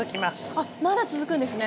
あっまだ続くんですね。